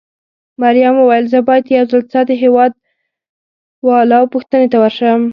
مريم وویل: زه باید یو ځل ستا د هېواد والاو پوښتنې ته ورشم.